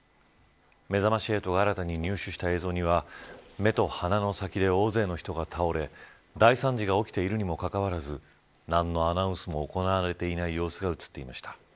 めざまし８が新たに入手した映像には目と鼻の先で大勢の人が倒れ大惨事が起きているにもかかわらず、何のアナウンスも行われていない様子が映っていました。